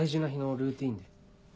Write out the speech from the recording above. ルーティン？